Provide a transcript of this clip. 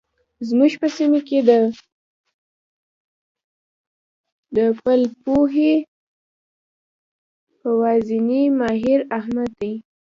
زموږ په سیمه کې د پلوهنې يوازنی ماهر؛ احمد دی.